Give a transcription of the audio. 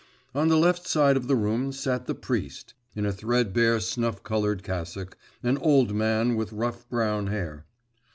On the left side of the room sat the priest, in a threadbare snuff coloured cassock, an old man, with rough brown hair.